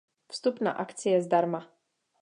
Vstup na akci je zdarma.